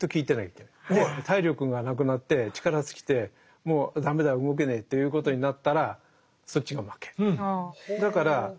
体力がなくなって力尽きてもう駄目だ動けねえということになったらそっちが負け。